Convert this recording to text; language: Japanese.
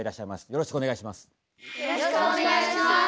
よろしくお願いします。